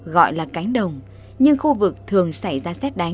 gọi là cánh đồng nhưng khu vực thường xảy ra xét đánh